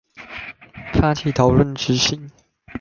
發起討論執行